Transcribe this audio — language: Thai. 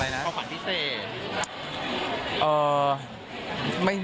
วัวขอบคุณที่ซ็